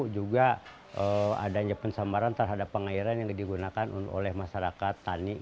juga adanya pensamaran terhadap pengairan yang digunakan oleh masyarakat tani